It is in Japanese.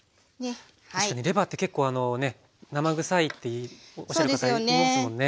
確かにレバーって結構あのね生臭いっておっしゃる方いますもんね。